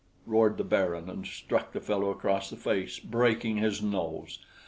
roared the Baron, and struck the fellow across the face, breaking his nose.